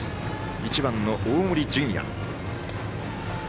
１番の大森准弥。